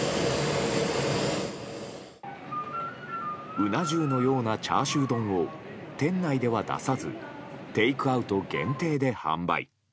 うな重のようなチャーシュー丼を店内では出さずテイクアウト限定で販売。